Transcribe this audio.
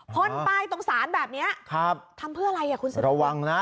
พ่นไปตรงศาลแบบนี้ทำเพื่ออะไรอ่ะคุณชนะระวังนะ